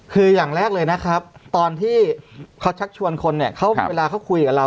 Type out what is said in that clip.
คืออย่างแรกเลยนะครับตอนที่เขาชักชวนคนเนี่ยเวลาเขาคุยกับเรา